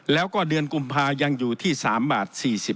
แล้วก็เดือนกุมภายังอยู่ที่๓บาท๔๐บาท